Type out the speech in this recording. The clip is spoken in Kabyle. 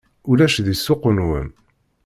Ulac di ssuq-nwen!